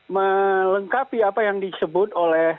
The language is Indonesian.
melengkapi apa yang disebut